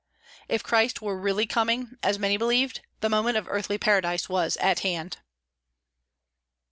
If Christ were really coming, as many believed, the moment of earthly paradise was at hand.